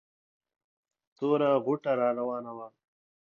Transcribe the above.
توره غوټه را راوانه وه.